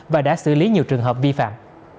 và đã xử lý nhiều trường hợp vi phạm